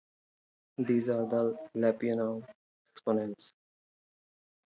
These are the Lyapunov exponents.